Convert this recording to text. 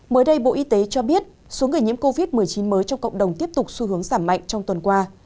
mới đây bộ y tế cho biết số người nhiễm covid một mươi chín mới trong cộng đồng tiếp tục xu hướng giảm mạnh trong tuần qua